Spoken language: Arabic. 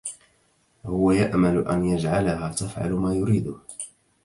هو يأمل أن يجعلها تفعل ما يريده.